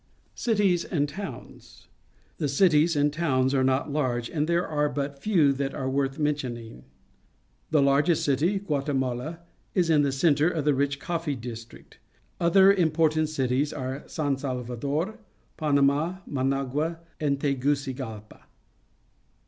Cities and Towns. — The cities and towns are not large, and there are but few that are worth mentioning. The largest citj', Guatemala, is in the centre of a rich coffee district. Other important cities are San Sal rador, Panama, Managua, and Tegucigalpa.